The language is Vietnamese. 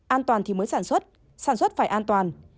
an toàn thì mới sản xuất sản xuất phải an toàn